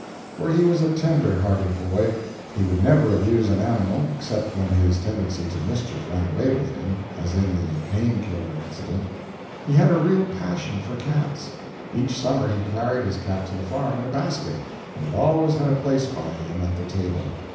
For he was a tender hearted boy. He would never abuse an animal, except when his tendency to mischief ran away with him, as in the "pain killer" incident. He had a real passion for cats. Each summer he carried his cat to the farm in a basket, and it always had a place by him at the table.